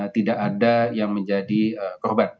tidak ada yang menjadi korban